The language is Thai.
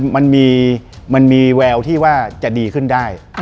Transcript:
มันมีแววที่ว่าจะดีขึ้นได้